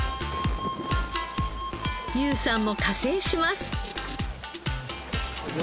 優さんも加勢します。